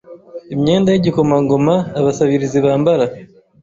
Imyenda yIgikomangomaAbasabirizi Bambara